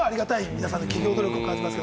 皆さんの企業努力を感じます。